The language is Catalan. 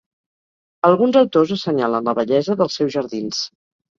Alguns autors assenyalen la bellesa dels seus jardins.